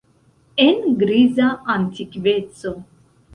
En griza antikveco.